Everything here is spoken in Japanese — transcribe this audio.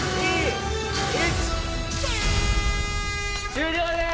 ・終了です